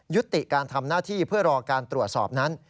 ยุติการทำหน้าที่เพื่อรอการตรวจสอบนั้น